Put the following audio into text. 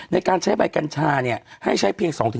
ในการใช้ใบกัญชาเนี่ยให้ใช้เพียง๒๕